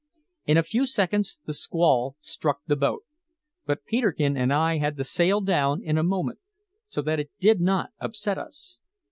In a few seconds the squall struck the boat; but Peterkin and I had the sail down in a moment, so that it did not upset us.